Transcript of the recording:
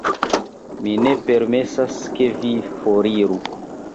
Mi ne permesas, ke vi foriru.